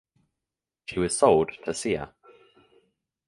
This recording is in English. She was sold to Cia.